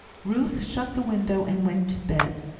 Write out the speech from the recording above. Ruth shut the window, and went to bed.